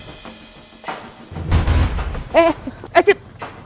eh eh eh cip